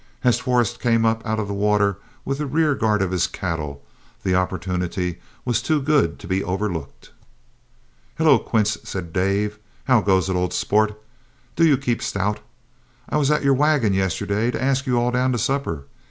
As Forrest came up out of the water with the rear guard of his cattle, the opportunity was too good to be overlooked. "Hello, Quince," said Dave; "how goes it, old sport? Do you keep stout? I was up at your wagon yesterday to ask you all down to supper.